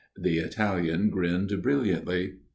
The Italian grinned brilliantly.